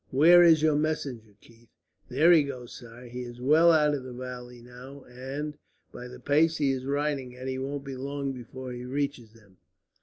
"Where is your messenger, Keith?" "There he goes, sire. He is well out of the valley now and, by the pace he is riding at, he won't be long before he reaches them."